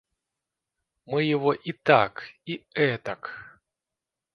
Мы его и так и этак...